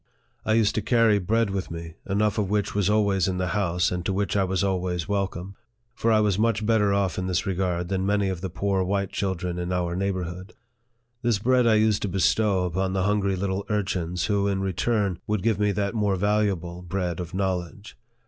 I used also to carry bread with me, enough of which was always in the house, and to which I was always welcome ; for I was much better off in this regard than many of the poor white children in our neighborhood. This bread I used to bestow upon the hungry little urchins, who, in return, would give me that more valu able bread of knowledge.